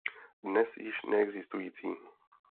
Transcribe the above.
Dnes již neexistující.